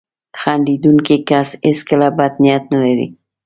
• خندېدونکی کس هیڅکله بد نیت نه لري.